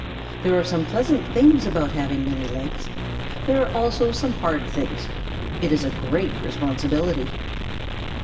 There are some pleasant things about having many legs. There are also some hard things. It is a great responsibility.